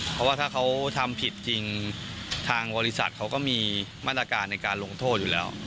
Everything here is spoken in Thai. เพราะว่าถ้าเขาทำผิดจริงทางบริษัทเขาก็มีมาตรการในการลงโทษอยู่แล้ว